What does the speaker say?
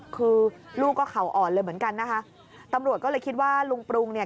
คือลูกก็เข่าอ่อนเลยเหมือนกันนะคะตำรวจก็เลยคิดว่าลุงปรุงเนี่ย